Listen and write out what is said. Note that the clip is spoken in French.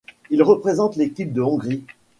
Il représente l'Équipe de Hongrie.